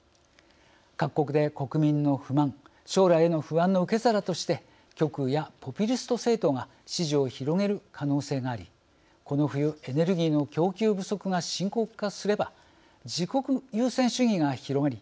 各国で国民の不満将来への不安の受け皿として極右やポピュリスト政党が支持を広げる可能性がありこの冬、エネルギーの供給不足が深刻化すれば自国優先主義が広がり